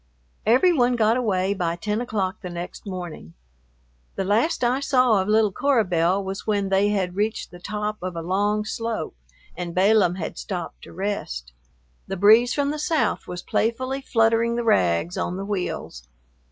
Every one got away by ten o'clock the next morning. The last I saw of little Cora Belle was when they had reached the top of a long slope and Balaam had "stopped to rest." The breeze from the south was playfully fluttering the rags on the wheels.